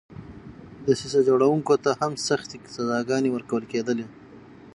دسیسه جوړوونکو ته هم سختې سزاګانې ورکول کېدلې.